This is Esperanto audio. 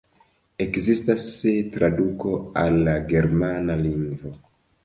Ekzistas traduko al la germana lingvo.